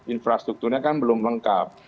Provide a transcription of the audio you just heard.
infrastrukturnya kan belum lengkap